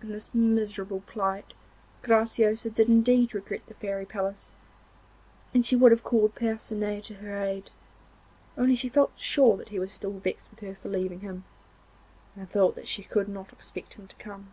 In this miserable plight Graciosa did indeed regret the fairy palace, and she would have called Percinet to her aid, only she felt sure he was still vexed with her for leaving him, and thought that she could not expect him to come.